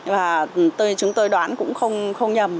và chúng tôi đoán cũng không nhầm